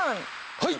はい！